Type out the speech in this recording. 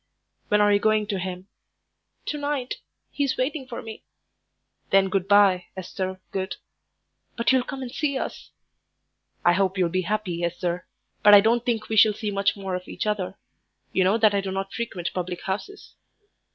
"When are you going to him?" "To night; he's waiting for me." "Then good bye, Esther, good " "But you'll come and see us." "I hope you'll be happy, Esther, but I don't think we shall see much more of each other. You know that I do not frequent public houses."